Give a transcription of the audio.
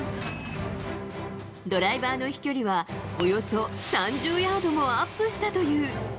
ドライバーの飛距離はおよそ３０ヤードもアップしたという。